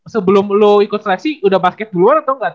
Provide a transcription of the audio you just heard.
sebelum lo ikut seleksi udah basket duluan atau enggak tuh